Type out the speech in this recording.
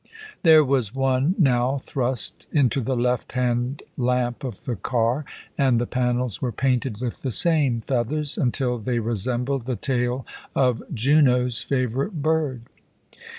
There was one now thrust into the left hand lamp of the car, and the panels were painted with the same feathers, until they resembled the tail of Juno's favourite bird.